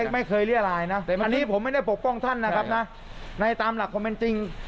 ไม่เคยเรียรายนะอันนี้ผมไม่ได้ปกป้องท่านนะครับนะในตามหลักความเป็นจริง